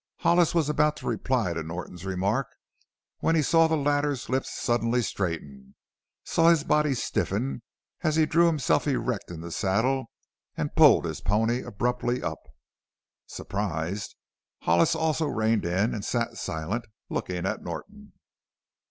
Hollis was about to reply to Norton's remark when he saw the latter's lips suddenly straighten; saw his body stiffen as he drew himself erect in the saddle and pulled his pony abruptly up. Surprised, Hollis also reined in and sat silent, looking at Norton.